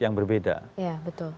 yang berbeda ya betul